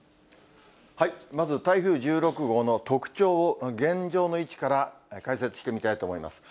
まず台風１６号の特徴を現状の位置から解説してみたいと思います。